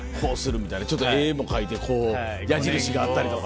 みたいなちょっと絵も描いてこう矢印があったりとか。